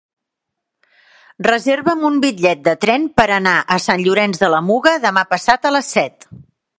Reserva'm un bitllet de tren per anar a Sant Llorenç de la Muga demà passat a les set.